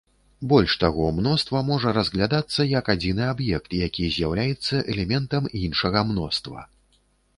Больш таго, мноства можа разглядацца як адзіны аб'ект, які з'яўляецца элементам іншага мноства.